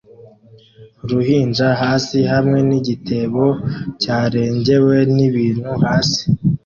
Uruhinja hasi hamwe nigitebo cyarengewe nibintu hasi